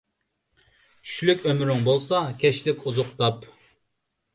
چۈشلۈك ئۆمرۈڭ بولسا، كەچلىك ئوزۇق تاپ